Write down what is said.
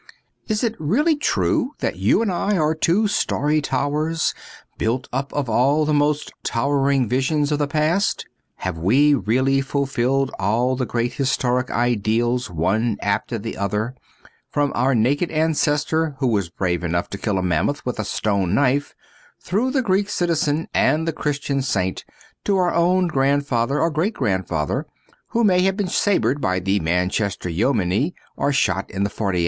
Is it really true that you and I are two starry towers built up of all the most towering visions of the past ? Have we really fulfilled all the great historic ideals one after the other, from our naked ancestor who was brave enough to kill a mammoth with a stone knife, through the Greek citizen and the Christian saint to our own grandfather or great grandfather, who may have been sabred by the Manchester Yeomany or shot in the '48 ?